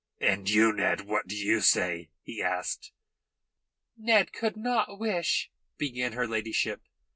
"And you, Ned what do you say?" he asked. "Ned could not wish " began her ladyship.